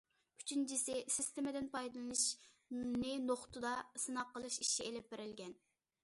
ئۈچىنچىسى، سىستېمىدىن پايدىلىنىشنى نۇقتىدا سىناق قىلىش ئىشى ئېلىپ بېرىلگەن.